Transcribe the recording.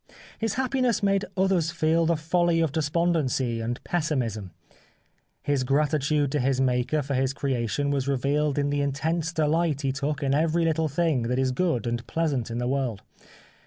His happiness made others feel the folly of despondency and pessimism. His gratitude to his Maker for his creation was revealed in the intense delight he took in every little thing that is good and pleasant in the world.